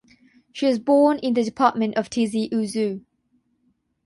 She was born in the department of Tizi Ouzou.